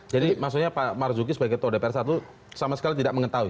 jadi maksudnya pak marzuki sebagai toh dpr satu sama sekali tidak mengetahui